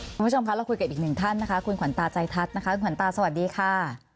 คุณผู้ชมคะเราคุยกับอีกหนึ่งท่านนะคะคุณขวัญตาใจทัศน์นะคะคุณขวัญตาสวัสดีค่ะ